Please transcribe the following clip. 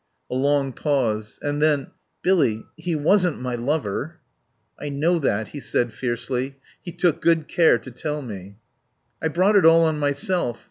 A long pause. And then, "Billy he wasn't my lover." "I know that," he said fiercely. "He took good care to tell me." "I brought it all on myself.